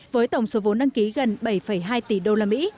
với tổng số vốn đăng ký gần bảy hai tỷ usd